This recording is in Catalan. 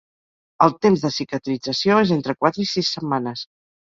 El temps de cicatrització és entre quatre i sis setmanes.